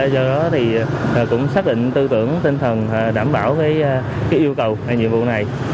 do đó thì cũng xác định tư tưởng tinh thần đảm bảo yêu cầu nhiệm vụ này